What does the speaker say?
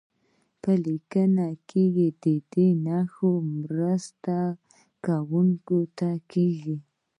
په لیکنه کې د دې نښو مرسته لوستونکي ته کیږي.